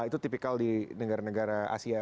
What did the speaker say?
itu tipikal di negara negara asia